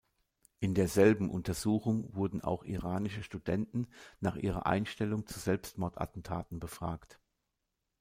In derselben Untersuchung wurden auch iranische Studenten nach ihrer Einstellung zu Selbstmordattentaten befragt.